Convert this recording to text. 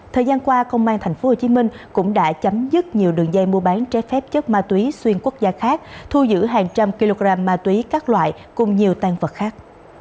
thời gian qua công an tp hcm cũng đã chấm dứt nhiều đường dây mua bán trái phép chất ma túy xuyên quốc gia khác thu giữ hàng trăm kg ma túy các loại cùng nhiều tăng vật khác